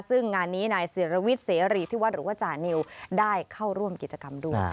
ซึ่งงานนี้นายศิรวิทย์เสรีที่วัดหรือว่าจานิวได้เข้าร่วมกิจกรรมด้วยค่ะ